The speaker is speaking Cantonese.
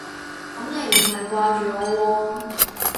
噉你唔係掛住我喎